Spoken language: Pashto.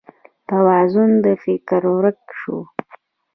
توازون د فکر ورک شو